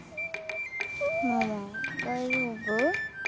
ママ大丈夫？